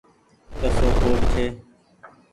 ڪسو ڪوڊ ڇي۔